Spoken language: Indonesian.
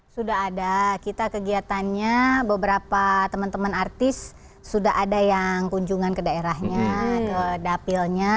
sudah ada kita kegiatannya beberapa teman teman artis sudah ada yang kunjungan ke daerahnya ke dapilnya